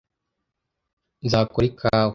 Nzakora ikawa.